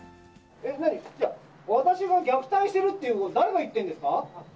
私が虐待しているっていうこと、誰が言ってるんですか？